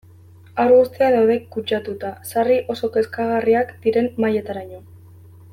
Haur guztiak daude kutsatuta, sarri oso kezkagarriak diren mailataraino.